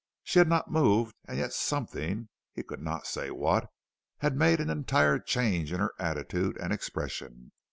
She had not moved and yet something, he could not say what, had made an entire change in her attitude and expression.